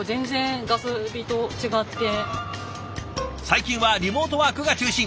最近はリモートワークが中心。